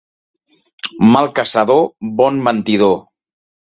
Mal caçador, bon mentidor.